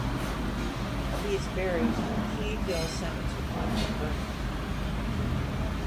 He is buried in Key Hill Cemetery in Birmingham.